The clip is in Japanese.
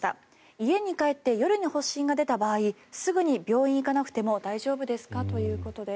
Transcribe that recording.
家に帰って夜に発疹が出た場合すぐに病院に行かなくても大丈夫ですか？ということです。